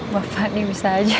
bapak nih bisa ga ajak